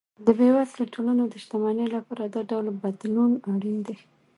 د بېوزلو ټولنو د شتمنۍ لپاره دا ډول بدلون اړین دی.